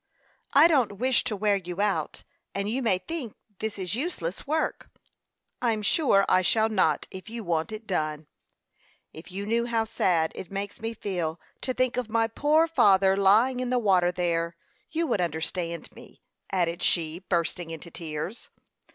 "I don't wish to wear you out, and you may think this is useless work." "I'm sure I shall not, if you want it done." "If you knew how sad it makes me feel to think of my poor father lying in the water there, you would understand me," added she, bursting into tears.